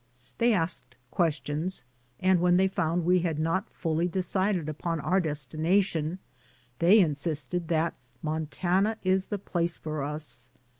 They asked questions, and when they found we had not fully de cided upon our destination, they insisted that Montana is the place for us.